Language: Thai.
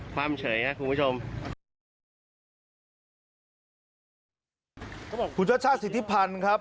คู่เจ้าชาติสุธิพันธ์ครับ